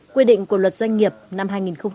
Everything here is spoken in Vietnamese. quy định của luật doanh nghiệp năm hai nghìn một mươi